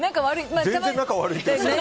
全然、仲悪い。